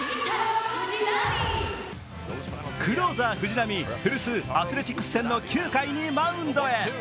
クローザー・藤浪、古巣・アスレチックス戦の９回にマウンドへ。